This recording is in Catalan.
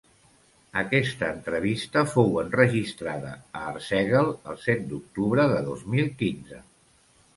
Aquesta entrevista fou enregistrada a Arsèguel el set d'octubre de dos mil quinze.